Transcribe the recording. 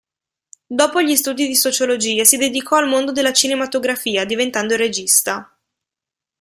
Dopo gli studi di sociologia, si dedicò al mondo della cinematografia, diventando regista.